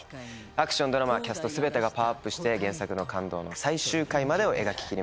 アクションドラマキャスト全てがパワーアップして原作の感動の最終回までを描き切りました。